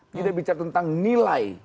tidak bicara tentang nilai